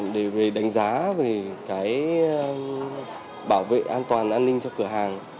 để về đánh giá về cái bảo vệ an toàn an ninh cho cửa hàng